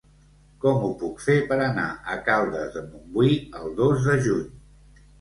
Com ho puc fer per anar a Caldes de Montbui el dos de juny?